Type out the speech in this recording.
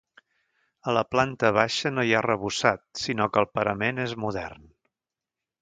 A la planta baixa, no hi ha arrebossat, sinó que el parament és modern.